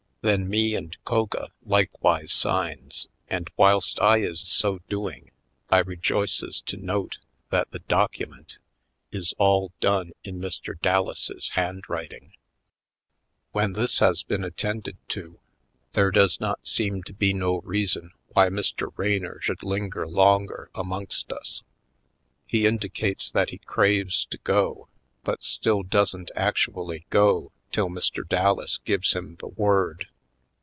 Then me and Koga likewise signs and whilst I is so doing I re joices to note that the document is all done in Mr. Dallases' handwriting. When this has been attended to there does not seem to be no reason why Mr. Raynor Piebald Joys 249 should linger longer amongst us. He indi cates that he craves to go but still don't ac tually go till Mr. Dallas gives him the word.